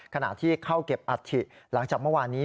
ขณะที่เข้าเก็บอัฐิหลังจากเมื่อวานนี้